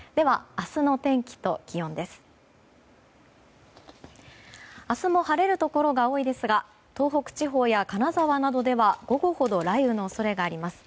明日も晴れるところが多いですが東北地方や金沢などでは午後ほど雷雨の恐れがあります。